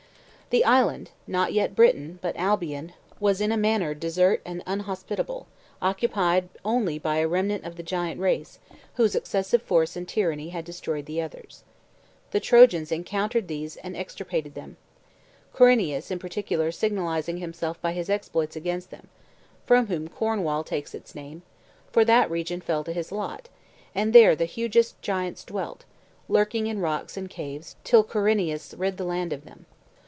The island, not yet Britain, but Albion, was in a manner desert and inhospitable, occupied only by a remnant of the giant race whose excessive force and tyranny had destroyed the others. The Trojans encountered these and extirpated them, Corineus, in particular, signalizing himself by his exploits against them; from whom Cornwall takes its name, for that region fell to his lot, and there the hugest giants dwelt, lurking in rocks and caves, till Corineus rid the land of them.